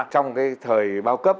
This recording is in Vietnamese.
trong cái thời bao cấp